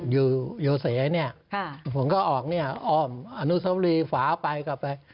อยู่โยเสนี่ผมก็ออกนี่อ้อมอนุสาวรีฝาไปกลับไป